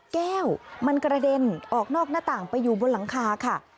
แก้วมันกระเด็นออกนอกหน้าต่างไปอยู่บนหลังคาค่ะ